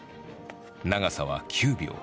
長さは９秒。